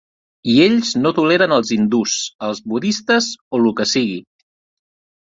I ells no toleren els hindús, els budistes o lo que sigui.